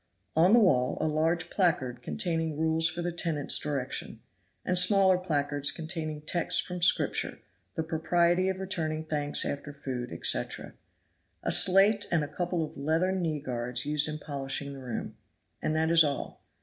On the wall a large placard containing rules for the tenant's direction, and smaller placards containing texts from Scripture, the propriety of returning thanks after food, etc.; a slate and a couple of leathern kneeguards used in polishing the room. And that is all.